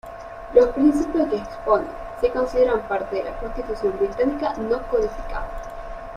Los principios que expone se consideran parte de la constitución británica no codificada.